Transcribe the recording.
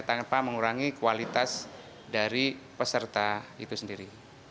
tanpa mengurangi kualitas dari peserta itu sendiri